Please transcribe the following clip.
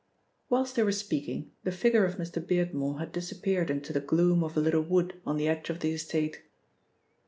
Whilst they were speaking, the figure of Mr. Beardmore had disappeared into the gloom of a little wood on the edge of the estate.